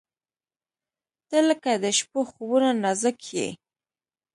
• ته لکه د شپو خوبونه نازک یې.